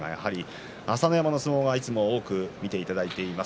朝乃山の相撲を多く見ていただいています。